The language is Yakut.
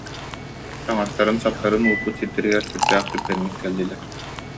Таҥастарын-саптарын уурбут сирдэригэр сүрдээх түргэнник кэллилэр